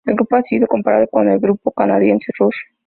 El grupo ha sido comparado con el grupo canadiense Rush.